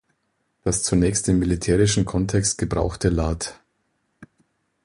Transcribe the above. Das zunächst im militärischen Kontext gebrauchte lat.